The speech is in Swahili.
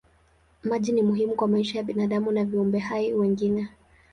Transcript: Maji ni muhimu kwa maisha ya binadamu na viumbe hai wengine.